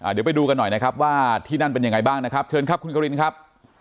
เดี๋ยวไปดูกันหน่อยนะครับว่าที่นั่นเป็นยังไงบ้างนะครับเชิญครับคุณกรินครับ